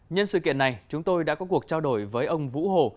nhân sự kiện này chúng tôi đã có cuộc trao đổi với ông vũ hồ